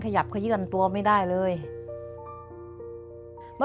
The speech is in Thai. กระดูกก็ดิกไม่ได้อย่างนั้นมันไม่รู้สึก